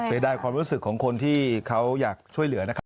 เสียดายความรู้สึกของคนที่เขาอยากช่วยเหลือนะครับ